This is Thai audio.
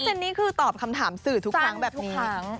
ก็เจนนี่คือตอบคำถามสื่อทุกครั้งแบบนี้